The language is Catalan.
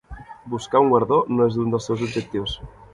Buscar un guardó no és un dels seus objectius.